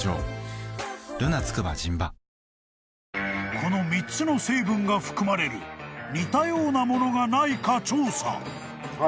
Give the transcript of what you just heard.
［この３つの成分が含まれる似たようなものがないか調査］